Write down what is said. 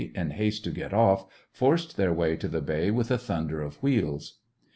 26 1 in haste to get off, forced their way to the bay with a thunder of wheels.